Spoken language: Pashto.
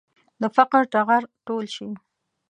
د فقر ټغر ټول شي.